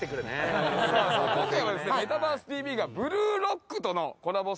今回は「メタバースＴＶ！！」が「ブルーロック」とのコラボ